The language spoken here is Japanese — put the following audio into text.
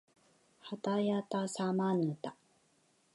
はたやたさまぬた